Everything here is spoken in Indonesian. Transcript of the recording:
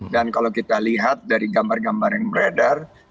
dan kalau kita lihat dari gambar gambar yang beredar